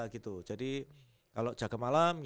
gitu jadi kalau jaga malam